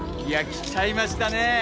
来ちゃいましたね。